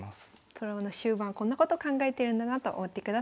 プロの終盤こんなこと考えてるんだなと思ってください。